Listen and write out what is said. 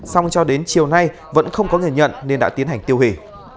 xong cho đến chiều nay vẫn không có người nhận nên đã tiến hành tiêu hủy